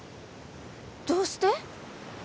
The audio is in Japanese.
どうして？